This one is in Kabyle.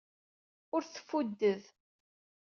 Ur teffuded.